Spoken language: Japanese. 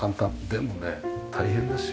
でもね大変ですよ。